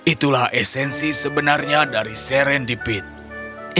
itulah esensi sebenarnya dari serendipity